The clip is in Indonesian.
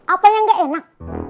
apa yang gak enak